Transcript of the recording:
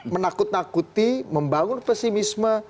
menakut nakuti membangun pesimisme